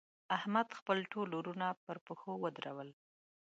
احمد؛ خپل ټول وروڼه پر پښو ودرول.